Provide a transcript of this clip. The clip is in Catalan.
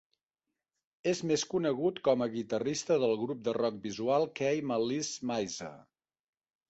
És més conegut com a guitarrista del grup de rock visual kei Malice Mizer.